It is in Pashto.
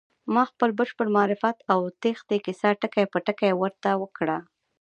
ما خپل بشپړ معرفت او تېښتې کيسه ټکی په ټکی ورته وکړه.